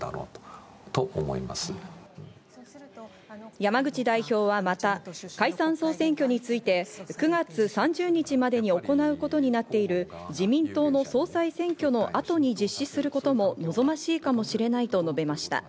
山口代表はまた解散総選挙について９月３０日までに行うことになっている自民党の総裁選挙の後に実施することも望ましいかもしれないと述べました。